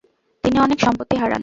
তিনি অনেক সম্পত্তি হারান।